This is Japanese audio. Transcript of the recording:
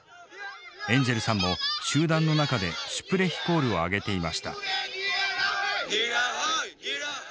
エンジェルさんも集団の中でシュプレヒコールを上げていました。